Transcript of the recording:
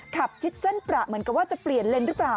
ชิดเส้นประเหมือนกับว่าจะเปลี่ยนเลนส์หรือเปล่า